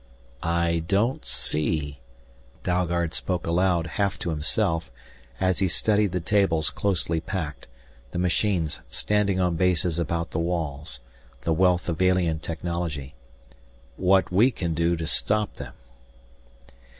"I don't see," Dalgard spoke aloud, half to himself, as he studied the tables closely packed, the machines standing on bases about the walls, the wealth of alien technology, "what we can do to stop them."